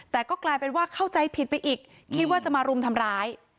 แต่ก็กลายเป็นว่าเข้าใจผิดไปอีกคิดว่าจะมารุมทำร้าย